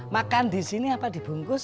makan di sini apa dibungkus